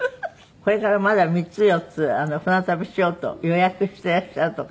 これからまだ３つ４つ船旅しようと予約してらっしゃるとか。